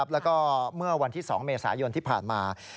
แล้วก็เมื่อวันที่๒เมษายนที่ผ่านมา